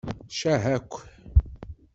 Ccah-ak!